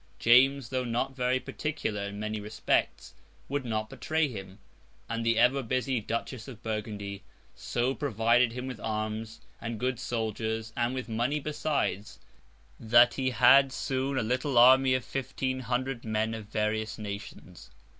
James, though not very particular in many respects, would not betray him; and the ever busy Duchess of Burgundy so provided him with arms, and good soldiers, and with money besides, that he had soon a little army of fifteen hundred men of various nations.